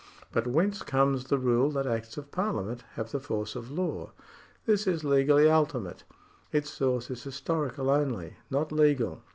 But whence comes the rule that acts of Parliament have the force of law ? This is legally ultimate ; its source is historical only, not legal.